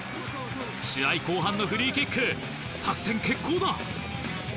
試合後半のフリーキック作戦決行だ。